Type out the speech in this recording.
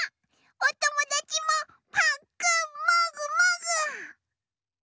おともだちもぱっくんもぐもぐ。